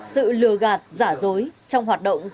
sự lừa gạt giả dối trong hoạt động tìm hiểu